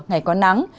ngày có nắng